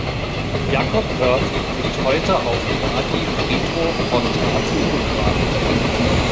Jakob Hurt liegt heute auf Raadi-Friedhof von Tartu begraben.